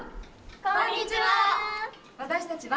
こんにちは！